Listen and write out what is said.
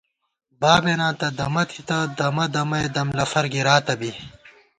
بابېناں تہ دَمہ تھِتہ ، دمہ دمَئے، دم لفر گِراتہ بی